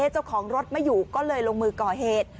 เจ้าของรถไม่อยู่ก็เลยลงมือก่อเหตุ